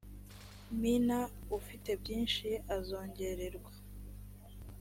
mina ufite byinshi azongererwa